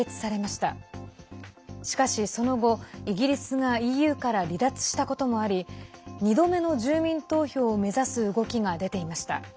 しかし、その後、イギリスがＥＵから離脱したこともあり２度目の住民投票を目指す動きが出ていました。